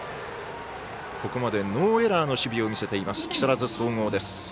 ここまでノーエラーの守備を見せている木更津総合です。